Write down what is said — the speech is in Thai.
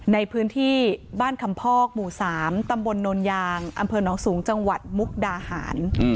ในพื้นที่บ้านคำพอกหมู่๓ตำบลโนนยางอำเภอหนองสูงจังหวัดมุกดาหาร